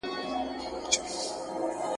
دا دهقان چي تخم پاشي او روان دی !.